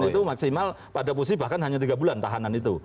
dan itu maksimal pada posisi bahkan hanya tiga bulan tahanan itu